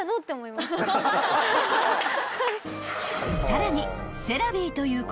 ［さらに］